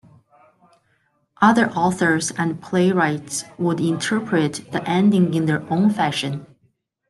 Other authors and playwrights would interpret the ending in their own fashion.